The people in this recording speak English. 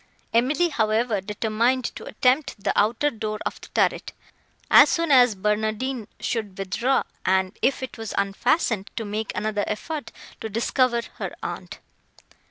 Emily, however, determined to attempt the outer door of the turret, as soon as Barnardine should withdraw; and, if it was unfastened, to make another effort to discover her aunt.